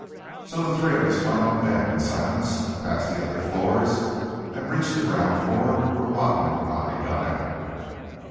So the three of us went on down in silence, past the other floors, and reached the ground floor, where Rodman and I got out.